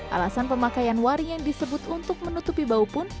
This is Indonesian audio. alasan pemakaian waring yang disebut untuk menutupi bau pun